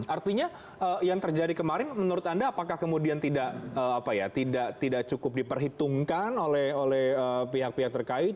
artinya yang terjadi kemarin menurut anda apakah kemudian tidak cukup diperhitungkan oleh pihak pihak terkait